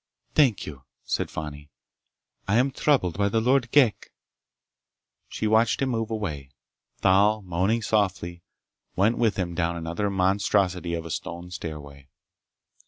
"Thank you," said Fani. "I am troubled by the Lord Ghek." She watched him move away. Thal, moaning softly, went with him down another monstrosity of a stone stairway.